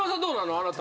あなたは。